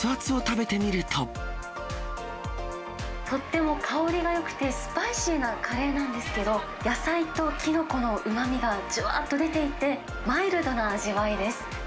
とっても香りがよくて、スパイシーなカレーなんですけど、野菜ときのこのうまみがじゅわっと出ていて、マイルドな味わいです。